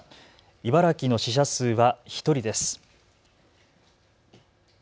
茨城の死者数は１人です。